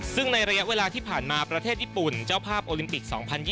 ซึ่งในระยะเวลาที่ผ่านมาประเทศญี่ปุ่นเจ้าภาพโอลิมปิก๒๐๒๐